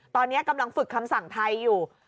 ตอนนี้กำลังฝึกคำสั่งไทยอยู่